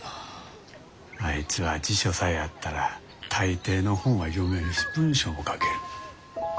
あいつは辞書さえあったら大抵の本は読めるし文章も書ける。